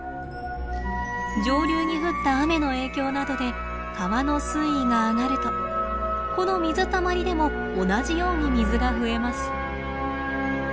上流に降った雨の影響などで川の水位が上がるとこの水たまりでも同じように水が増えます。